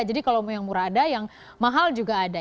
jadi kalau mau yang murah ada yang mahal juga ada